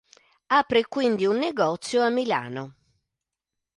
Apre quindi un negozio a Milano.